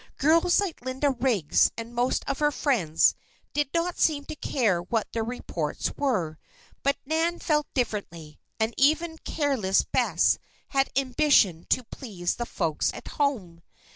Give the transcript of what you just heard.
Girls like Linda Riggs and most of her friends, did not seem to care what their reports were. But Nan felt differently; and even careless Bess had ambition to please the folks at home.